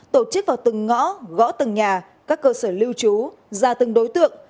tổ chức vào từng ngõ gõ từng nhà các cơ sở lưu trú ra từng đối tượng